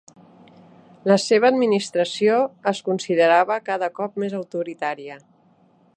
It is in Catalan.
La seva administració es considerava cada cop més autoritària.